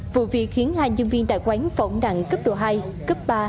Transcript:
vụ việc khiến hai nhân viên tại quán phởng nặng cấp độ hai cấp ba